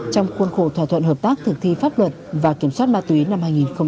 trong khuôn khổ thỏa thuận hợp tác thực thi pháp luật và kiểm soát ma túy năm hai nghìn một mươi tám